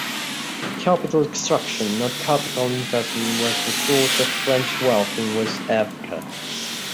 Capital extraction, not capital investment was the source of French wealth in West Africa.